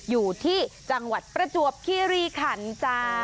อยู่ที่จังหวัดประจวบคีรีขันจ้า